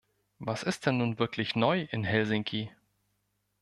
Was ist denn nun wirklich neu in Helsinki?